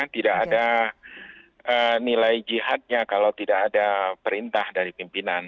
tidak ada nilai jihadnya kalau tidak ada perintah dari pimpinan